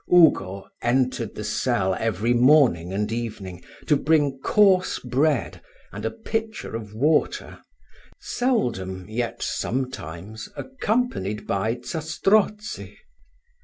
Ugo entered the cell every morning and evening, to bring coarse bread, and a pitcher of water, seldom, yet sometimes, accompanied by Zastrozzi.